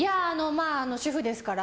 まあ、主婦ですから。